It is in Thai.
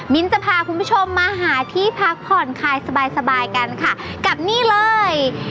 จะพาคุณผู้ชมมาหาที่พักผ่อนคลายสบายกันค่ะกับนี่เลย